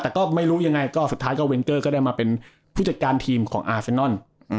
แต่ก็ไม่รู้ยังไงก็สุดท้ายก็เวนเกอร์ก็ได้มาเป็นผู้จัดการทีมของอาเซนนอน